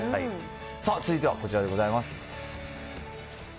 さあ、続いてはこちらでございます。